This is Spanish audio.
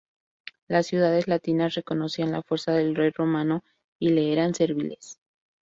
Las ciudades latinas reconocían la fuerza del rey romano y le eran serviles.